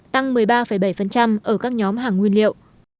tăng một mươi ba bảy ở các nhóm hàng nguyên liệu